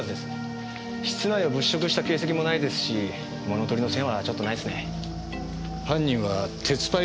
室内を物色した形跡もないですし物取りの線はちょっとないですね。